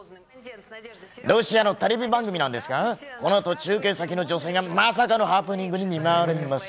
ロシアのテレビ番組なんですが、このあと中継先の女性がまさかのハプニングに見舞われます。